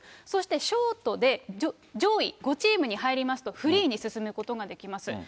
そしてショートで上位５チームに入りますと、フリーに進むことができます。